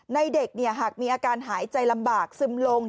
เด็กหากมีอาการหายใจลำบากซึมลง